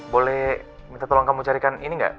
boleh minta tolong kamu carikan ini nggak